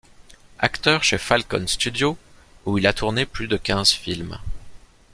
Acteur chez Falcon Studios, où il a tourné plus de quinze films.